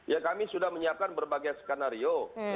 ya kami sudah menyiapkan berbagai skenario